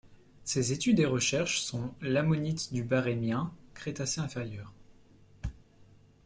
Ses études et recherches sont l’ammonites du Barrémien, Crétacé inférieur.